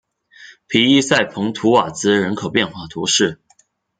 皮伊塞蓬图瓦兹人口变化图示